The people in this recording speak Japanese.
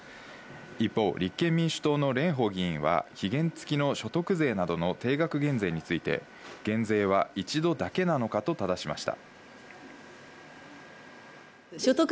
一方、立憲民主党の蓮舫議員は期限付きの所得税などの定額減税について、減税は１度だけなのかとただしました。